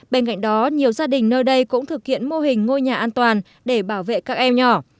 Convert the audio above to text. bên cạnh đó nhiều gia đình nơi đây cũng thực hiện mô hình ngôi nhà an toàn để bảo vệ các em nhỏ